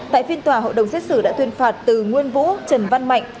tại phiên tòa hội đồng xét xử đã tuyên phạt từ nguyên vũ trần văn mạnh